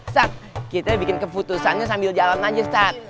sat kita bikin keputusannya sambil jalan aja ustadz